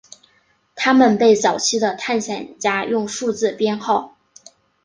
他们被早期的探险家用数字编号。